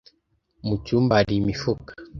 Mucyumba hari imifuka.